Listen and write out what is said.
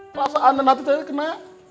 perasaan dan hati tadi kena